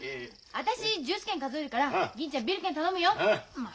私ジュース券数えるから銀ちゃんビール券頼むよ！